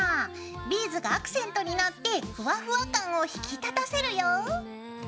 ビーズがアクセントになってふわふわ感を引き立たせるよ。